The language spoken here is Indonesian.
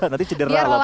nanti cedera lah pikirnya